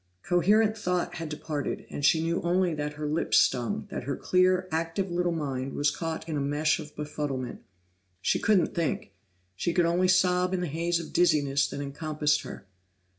Coherent thought had departed, and she knew only that her lips stung, that her clear, active little mind was caught in a mesh of befuddlement. She couldn't think; she could only sob in the haze of dizziness that encompassed her.